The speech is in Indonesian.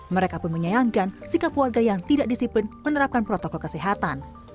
mereka pun menyayangkan sikap warga yang tidak disiplin menerapkan protokol kesehatan